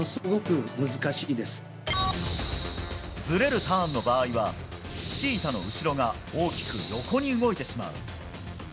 ずれるターンの場合はスキー板の後ろが大きく横に動いてしまう。